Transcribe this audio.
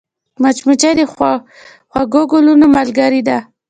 مچمچۍ د خوږو ګلونو ملګرې ده